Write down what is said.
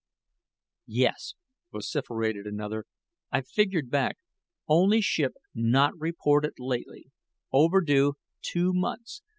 asked one. "Yes," vociferated another, "I've figured back. Only ship not reported lately. Overdue two months.